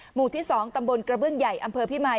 หมู่ที่๒ตำบลกระเบื้องใหญ่อำเภอพิมาย